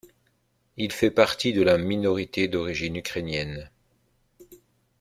Il fait partie de la minorité d'origine ukrainienne.